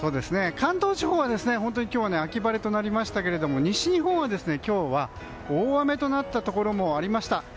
関東地方は今日は秋晴れとなりましたが西日本は今日は大雨となったところもありました。